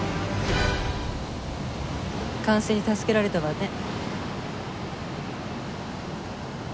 管制に助けられたわね。